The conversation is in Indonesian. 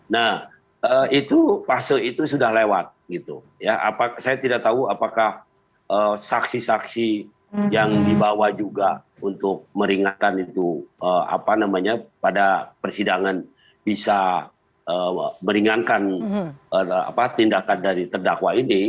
nah itu fase itu sudah lewat gitu ya saya tidak tahu apakah saksi saksi yang dibawa juga untuk meringankan itu apa namanya pada persidangan bisa meringankan tindakan dari terdakwa ini